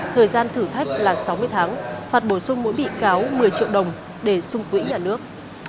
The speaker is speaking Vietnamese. thời gian thử thách là sáu mươi tháng phạt bổ sung mỗi bị cáo một mươi triệu đồng để xung quỹ nhà nước